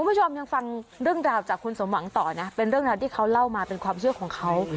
คุณผู้ชมยังฟังเรื่องราวจากคุณสมหวังต่อนะเป็นเรื่องราวที่เขาเล่ามาเป็นความเชื่อของเขา